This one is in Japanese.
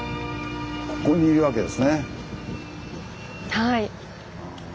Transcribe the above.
はい。